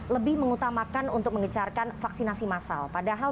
lebih mengutamakan untuk mengecarkan vaksinasi massal